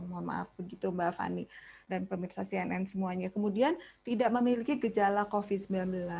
mohon maaf begitu mbak fani dan pemirsa cnn semuanya kemudian tidak memiliki gejala covid sembilan belas